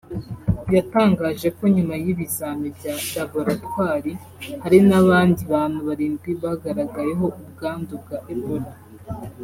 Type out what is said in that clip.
yatangaje ko nyuma y’ibizami bya Laboratwari hari abandi bantu barindwi bagaragayeho ubwandu bwa Ebola